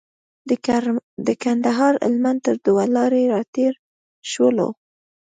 د کندهار هلمند تر دوه لارې راتېر شولو.